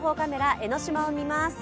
江の島を見ます。